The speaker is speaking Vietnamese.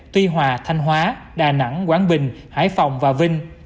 tuy hòa thanh hóa đà nẵng quảng bình hải phòng và vinh